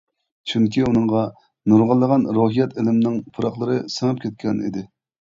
چۈنكى ئۇنىڭغا نۇرغۇنلىغان روھىيەت ئىلمىنىڭ پۇراقلىرى سىڭىپ كەتكەن ئىدى.